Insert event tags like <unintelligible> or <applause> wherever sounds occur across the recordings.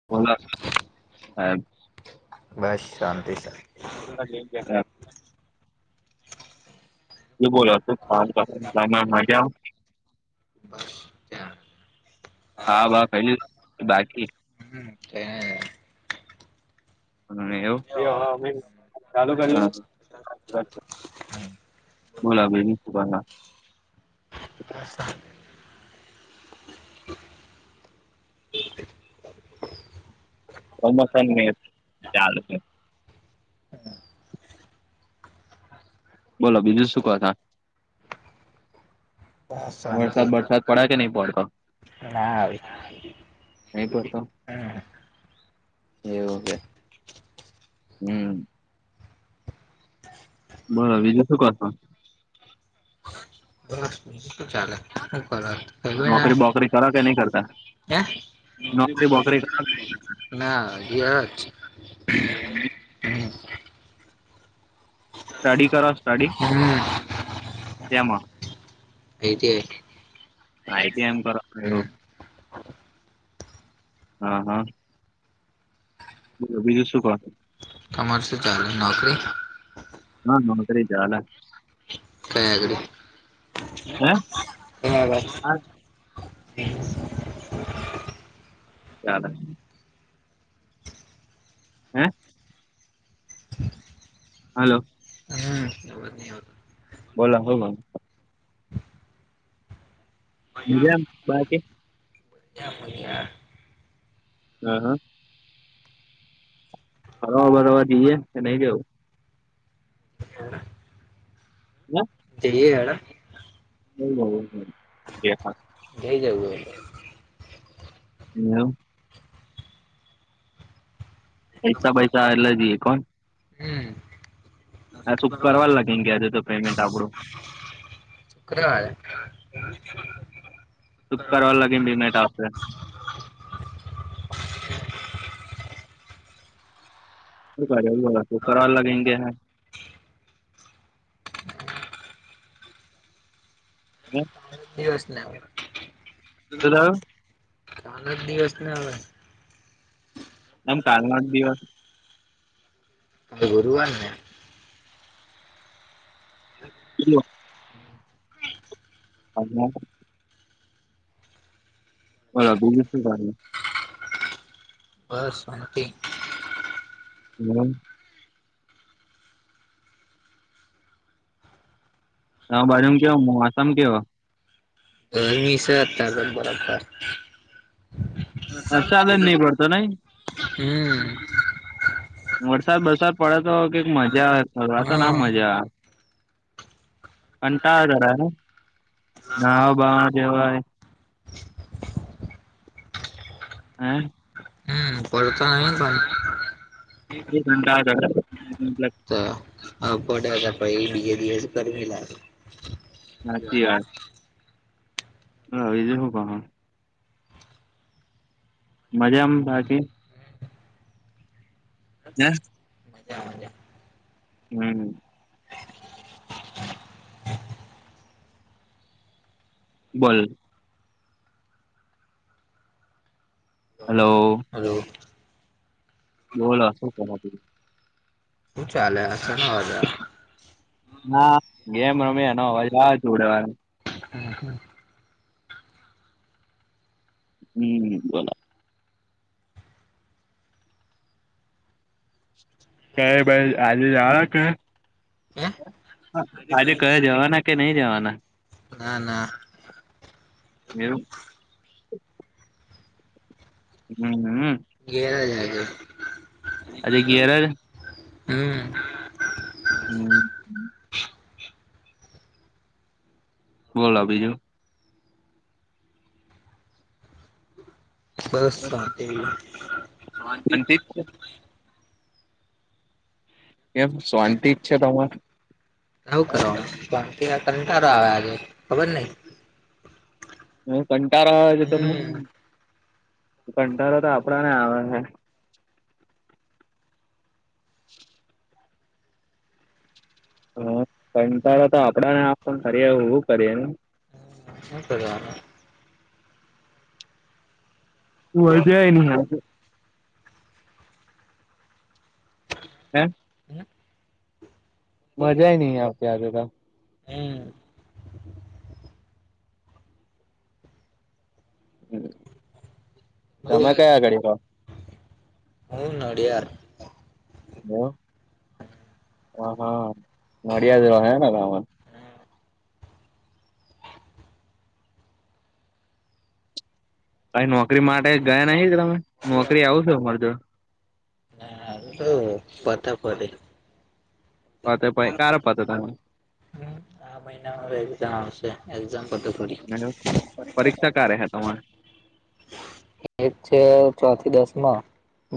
<unintelligible> બસ, શાંતિ. તા જઈ ને બેઠા. શું બોલો છો? મજામાં. બસ ત્યાં હા, બા પહેલી બાકી. હમ્મ, તે. ને એવુ, એ હ, અમે ચાલુ કર્યું. બોલો બેની શુંભના આસામ. કમોસાઈન મે ચાલે છે. બોલો, બીજું શું કો તા બસ શાંતિ વરસાદ વરસાદ પડે કે, નહી પડતો. ના આવી. નહીં પડતો. હમ એવું કે, હમ્મ. બોલો, બીજું શું કરો છો? વાહ. શું ચાલે? હું કરો? હવે આ નોકરી બોકરી કરો કે નહી કરતા? હે નોકરી બોકરી. ના વિયા હ છે. <inaudible> <inaudible> સ્ટડી કરો સ્ટડી હમ તેમ I T I I T એમ કરો કયરો હ હ બોલો બીજું શું કો? તમાર શું ચાલે નોકરી? ના નોકરી ચાલે ક્ય આગળી હે <inaudible> હા <inaudible> ચાલે હે હાલો. હમ્મ અવાજ નઈ આવતો બોલો હું કો મજામ બાકી ક્યાં ફરીયા હ હ ફરવા બરવા જીએ કે નહી જવું <inaudible> જઈએ હડા <inaudible> <inaudible> નેવું પૈસા બયસા એટલે જીએ કોણ હમ. <unintelligible> કરવા લાગી ન ગયાજે તો પેમેન્ટ આપડું <inaudible> કરવા લાગેમી મેટ આસરે <inaudible> <unintelligible> દિવસ ના <inaudible> દિવસના આવે કેમ કાલનો જ દિવસ કાલ ગુરુવાર ને એલો <inaudible> બોલો બીજુ શુ કરે બસ શાંતિ <inaudible> હા બાજુમ કેવા મોસામ કેવા ગરમી છે, અત્યારે ત બરાબર વરસાદ જ ની પડતો નય હમ વરસાદ બરસાદ પડે તો કઈક મજા <unintelligible> આ ના હા મજા અને ક જાર હાવ ભાવ જેવા <inaudible> પરતા નહી ભાઈ <unintelligible> પડ હતા એ બીજે દિવસ ગરમી લાગે હાચી વાત <unintelligible> મજામા બાકી હ મજા મજા હમ્મ બોલ હલો હલો બોલો શું કરો - હું ચાલે આસલ હવા હા ગેમ રમી ન અવાજ જો ઉડેવા હમ્મ હમ્મ હમ્મ બોલો કં ભાઈ આજે જવાના કે હે આજે કયા જવાના કે નહી જવાના ના ના એવુ હમ્મ હ ઘેરા જાય છે અજી ઘેરે હમ્મ હમ્મ બોલો બીજું બસ પાતીમાં <unintelligible> એમ શાંતિ છે તમારે? નવ કરવાનું બાકી કંટારો આવ્યા છે ખબર નહિ હ કંટળો આવે છે તમને હમ કંટળો તો આપડા ને આવે છે. હ કંચારા તો આપડા ને આપ કરીએ કરીએ હૂ કરવાના <unintelligible> હે મજા નહિ આવતી ત હમ્મ હમ્મ બઉ તમે કયા આગળ કહો <unintelligible> હ હ હા અડિયાદ ગમાં કઈ નોકરી માટે ગયા નહ તમે નોકરી આવ છો અર જો <unintelligible> પતા ફેરી પત કાર પતા તમે એામ આવશે એક્સામ પતે પહી હેલો પરીક્ષા ક્યા તમારે? એક છે ચો થી દસ માં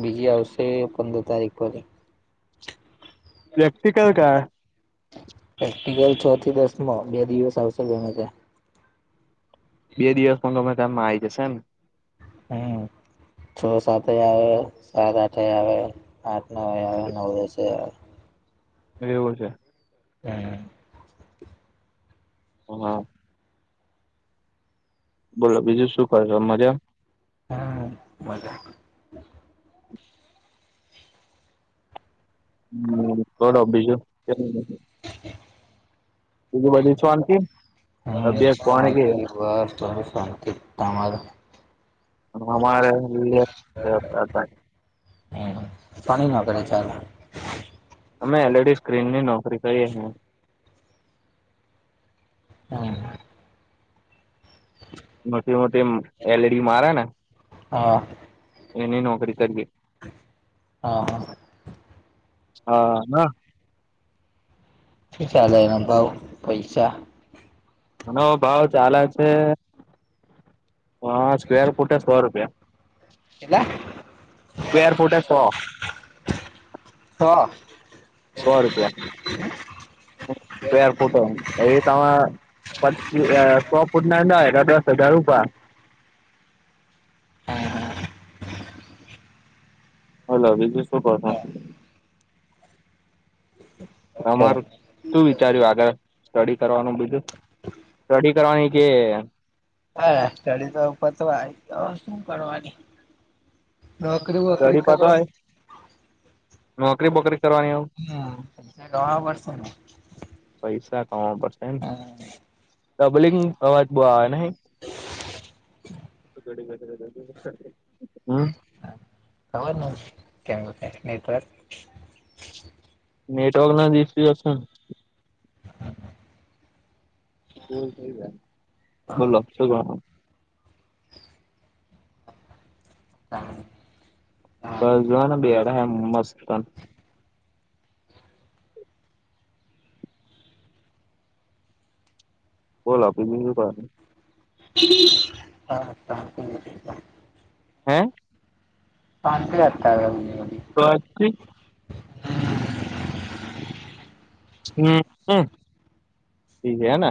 બીજી આવશે પંદર તારીખ પરરી વ્યક્તિિકલ ક પ્રેક્ટિકલ છ થી દસમાં બે દિવસ આવશે ગમે ત્યારે. બે દિવસ પંદર ગમે તેમ આવી જશે ને. હમ્મ છ સાત એ આવે સાત આઠે એ આવે આઠ નવે આવે નવે છે. એવું છે. હા. હા. બોલો બીજું શું કરો છો મજા. હા મજા. <inaudible> હમ્મ બોલો બીજું કેમનું. <inaudible> શાંતિ હમ્મ તબિયત પાણી શાંતિ કેવી વાત કરો શાંતિ. તમારુ. અમારે. <unintelligible> શાની નોકરી ચાલે. અમે એલઈડી સ્ક્રીન ની નોકરી કરીએ. હમ્મ. મોટી-મોટી એમ એલઈડી મારે ને. હા. એની નોકરી કરીયે. હા હા. હા ના. શું ચાલે એના ભાવ પૈસા. એનો ભાવ ચાલે છે. હા સ્ક્વેર ફૂટે સો રૂપિયા કેટલા સ્ક્વેર ફૂટે સો. સો. સો રૂપિયા સ્ક્વેર ફૂટ હવે તમા પીસ સો ફૂટના દસ એટલે દસ હજાર ઉભા. <inaudible> બોલો બીજું શું કોહ છો. તમારું. હા શું વિચાર્યું આગળ સ્ટડી કરવાનું બીજું સ્ટડી કરવાની કે હા સ્ટડી તો પતવા આઈ હવે શું કરવાની. નોકરી વોકરી સ્ટડી પતવાઈ કરવાની નોકરી બોકરી કરવાની એવું <unintelligible> પૈસા કમાવો પડશે ડબલિંગ અવાજ બોવ આવે નહિ. <unintelligible> હમ્મ. ખબર નઈ કેમ એવું થાય નેટવર્ક નેટવર્કનો જ ઈશુ હશે ન. બોલો શું કરો. <inaudible> બાર જોવાના બેહાડા હે મસ્ત. બોલો બીજું કરો. <inaudible> હા હા. હે. પાછી અટકાવે અમને વળી. <unintelligible> હમ્મ હ ઠીક હે ન.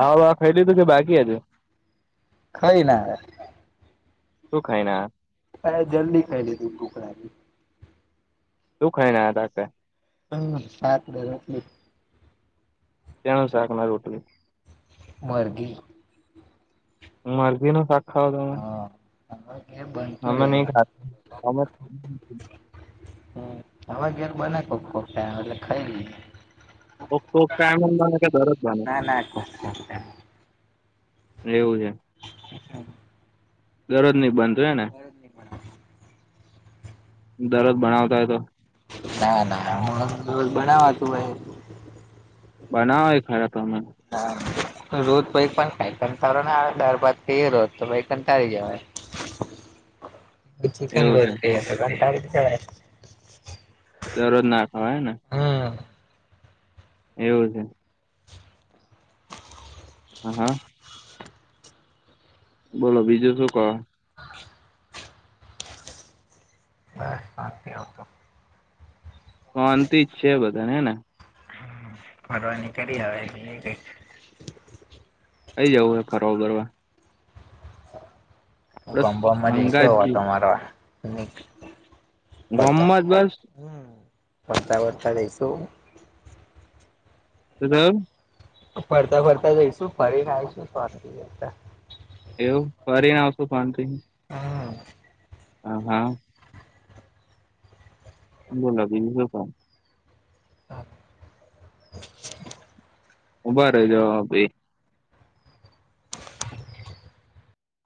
ખાવા બાવા ખાઈ લીધું કે બાકી હજી ખઈ ન આયા. શું ખાઈન આયા? હ જલ્દી ખાઈ લીધું ભૂખ લાગી. શું ખાઈન આયા રાતે. હ શાક ને રોટલી. ત્યાં શાકને રોટલી મરઘી. મરઘીનું શાક ખાવા ગયા. હા <unintelligible> અમે નઈ ખાતા <unintelligible> હવે ઘેર બને કોક કોક ટાઈમ એટલે ખાઈ લઈએ. કોક કોક ટાઈમ જ બને કે દરરોજ બને ના ના કોક કોક ટાઈમ. એવું છે. <inaudible> દરરોજ નહી બનતું હે ને? <inaudible> દરરોજ બનાવતા હોય તો ના ના હું રોજ રોજ બનાવાતું હોય. બનાવે ખરા તમે હા રોજ પહી કોણ પણ ખાય કટારો ના આવે દારભાત ખઈએ રોજ તોય કંટાળી જવાય. <inaudible> ચિકન એવું રોજ છે ખઈએ તે કંટાળી જવાય. દરરોજ ના ખવાય હેને. હમ એવું હ હા. બોલો બીજું શું કો? <unintelligible> શાંતિ જ છે બધાને હે ને ફરવાની કરી આવે એ કઈ જવું હે ફરવા બરવા બસ ગામ બામમાં જઈશ અવ ગંગાજી તમારા ગામ મ જ બસ. <inaudible> વર્તા બર્તા લઈશું. શું થયું? ફરતા ફરતા જઈશું ફરી આઇશું ફર જતા. એવું ફરીને આવશું શાંતિથી હમ અ હ બોલા બીજું શું કહું? ઊભા રેજો ભાઈ